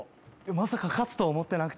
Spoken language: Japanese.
まさか勝つとは思ってなくて。